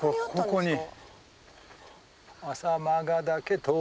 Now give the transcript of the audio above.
ここに。